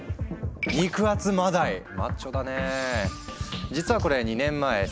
肉厚マダイマッチョだね。